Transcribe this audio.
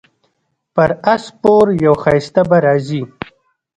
پر اس سپور یو ښایسته به راځي